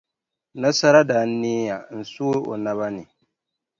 Nasara daa neeya n-sooi o naba ni.